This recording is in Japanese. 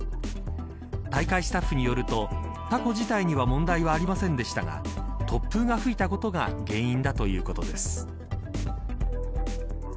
大会スタッフによるとたこ自体には問題はありませんでしたが突風が吹いたことが原因だということです。